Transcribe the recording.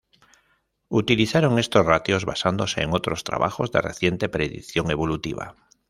Utilizaron estos ratios basándose en otros trabajos de reciente predicción evolutiva.